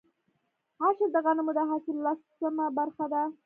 عشر د غنمو د حاصل لسمه برخه ده.